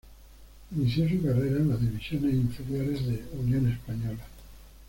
Inició su carrera en las divisiones inferiores de Unión Española.